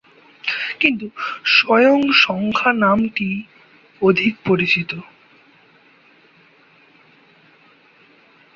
কিন্তু, স্বয়ং সংখ্যা নামটিই অধিক পরিচিত।